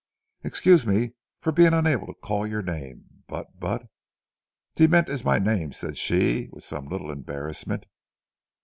Excuse me for being unable to call your name—but—but—' 'De Ment is my name,' said she with some little embarrassment.